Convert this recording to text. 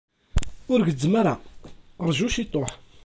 Ur gezzem ara, rju ciṭuḥ.